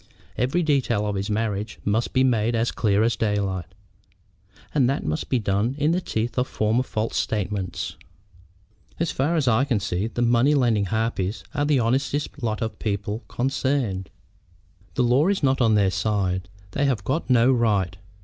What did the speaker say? Every detail of his marriage must be made as clear as daylight; and that must be done in the teeth of former false statements." "As far as I can see, the money lending harpies are the honestest lot of people concerned." "The law is not on their side. They have got no right.